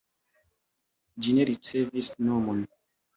Ĝi ne ricevis nomon.